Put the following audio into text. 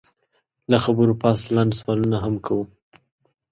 له خبرو پس لنډ سوالونه هم کوو